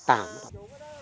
để ăn tạm